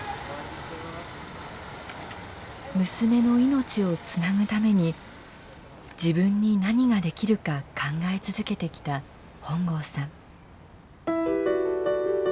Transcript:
娘の命をつなぐために自分に何ができるか考え続けてきた本郷さん。